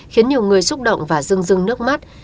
khiến nhiều người xúc động và dưng rưng nước mắt